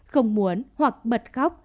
không muốn hoặc bật khóc